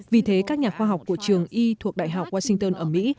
vì thế các nhà khoa học của trường y thuộc đại học washington ở mỹ